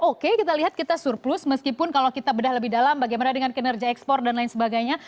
oke kita lihat kita surplus meskipun kalau kita bedah lebih dalam bagaimana dengan kinerja ekspor dan lain sebagainya